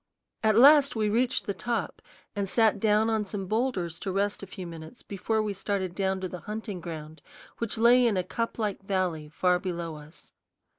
At last we reached the top and sat down on some boulders to rest a few minutes before we started down to the hunting ground, which lay in a cuplike valley far below us.